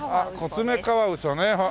コツメカワウソね。